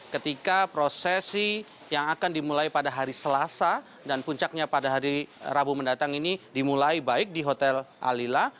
ketika prosesi yang akan dimulai pada hari selasa dan puncaknya pada hari rabu mendatang ini dimulai baik di hotel alila